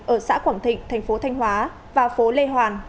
ở xã quảng thịnh thành phố thanh hóa và phố lê hoàn